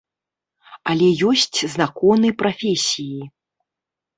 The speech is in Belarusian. Але ёсць законы прафесіі.